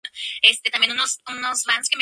La sede de condado es Winfield.